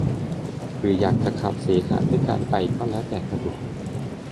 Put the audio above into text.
หรืออยากจะขับเสมหะด้วยการไอก็แล้วแต่สะดวก